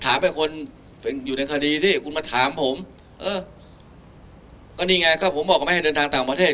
ให้คนเป็นอยู่ในคดีสิคุณมาถามผมเออก็นี่ไงก็ผมบอกเขาไม่ให้เดินทางต่างประเทศ